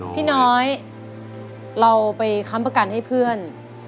พี่น้อยเราไปค้ำประกันให้เพื่อน